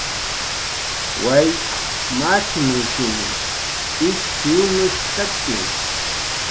"Waytq machnushuw ish jiwnushp""taki"